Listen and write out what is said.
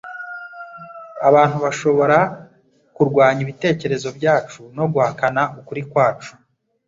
Abantu bashobora kurwanya ibitekerezo byacu no guhakana ukuri kwacu,